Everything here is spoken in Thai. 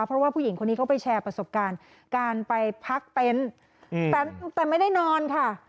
เพราะว่าผู้หญิงคนนี้เขาไปแชร์ประสบการณ์การไปพักเต็นต์แต่ไม่ได้นอนค่ะ